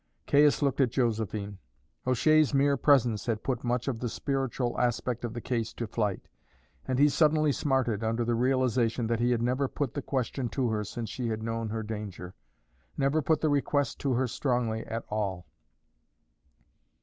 Caius looked at Josephine. O'Shea's mere presence had put much of the spiritual aspect of the case to flight, and he suddenly smarted under the realization that he had never put the question to her since she had known her danger never put the request to her strongly at all.